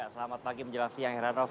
selamat pagi menjelang siang heran rof